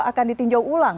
akan ditinjau ulang